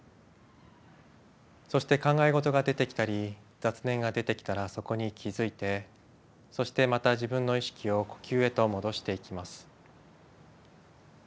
そして考え事が出てきたり雑念が出てきたらそこに気づいてそしてまた自分の意識を呼吸へと戻していきます。